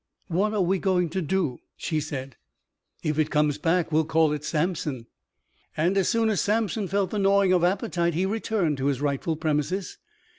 "What are we going to do?" she said. "If it comes back we'll call it Samson." And as soon as Samson felt the gnawing of appetite, he returned to his rightful premises.